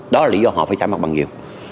đó là lý do họ phải trả mặt bằng nhiều